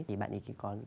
thì bạn ấy có